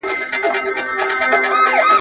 په تګ کې د موټر اړتیا نه لیدل کېږي.